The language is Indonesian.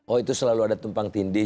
oh itu selalu ada tumpang tindih